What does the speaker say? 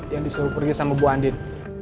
yang disuruh pergi sama bu andin